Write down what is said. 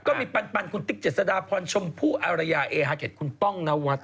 ก็มีปันคุณติ๊กเจษฎาพรชมพู่อารยาเอฮาเก็ตคุณป้องนวัฒน